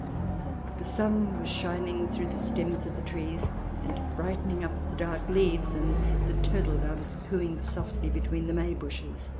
The sun was shining through the stems of the trees, and brightening up the dark leaves, and the turtle doves cooing softly between the may bushes."